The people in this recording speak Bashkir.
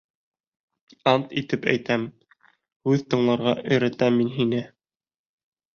Ант итеп әйтәм, һүҙ тыңларға өйрәтәм мин һине!